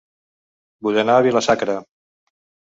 Vull anar a Vila-sacra